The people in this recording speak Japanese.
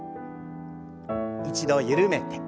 一度緩めて。